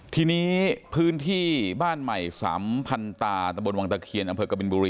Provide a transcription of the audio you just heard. ทีนี้พื้นที่บ้านใหม่สัมพันตาตะบนวังตะเคียนอำเภอกบินบุรี